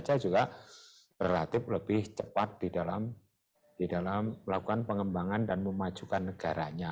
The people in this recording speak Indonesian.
indonesia juga relatif lebih cepat di dalam melakukan pengembangan dan memajukan negaranya